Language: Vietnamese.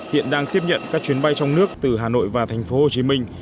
hiện đang tiếp nhận các chuyến bay trong nước từ hà nội và thành phố hồ chí minh